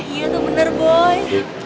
iya tuh bener boy